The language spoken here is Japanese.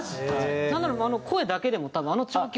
なんならもうあの声だけでも多分あの調教。